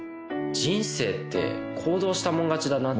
人生って行動したもん勝ちだなって。